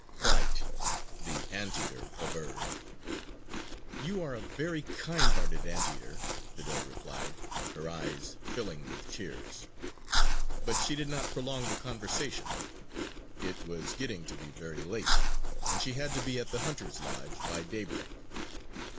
"Quite!" the Anteater averred. "You are a very kind hearted Anteater," the doe replied, her eyes filling with tears. But she did not prolong the conversation. It was getting to be very late, and she had to be at the hunter's lodge by daybreak.